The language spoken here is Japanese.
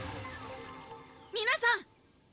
皆さん！